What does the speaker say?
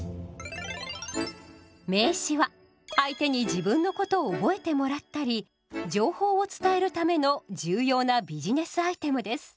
名刺は相手に自分のことを覚えてもらったり情報を伝えるための重要なビジネスアイテムです。